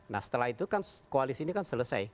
nah setelah itu kan koalisi ini kan selesai